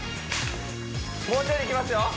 もうちょいできますよ